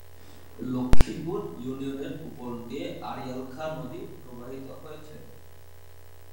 লক্ষীপুর ইউনিয়নের উপর দিয়ে আড়িয়াল খাঁ নদী প্রবাহিত হয়েছে।